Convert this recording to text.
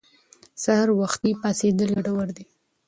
سهار وختي پاڅېدل ګټور دي.